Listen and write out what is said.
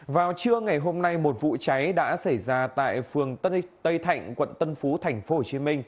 vào trưa ngày hôm nay một vụ cháy đã xảy ra tại phường tây thạnh quận tân phú tp hcm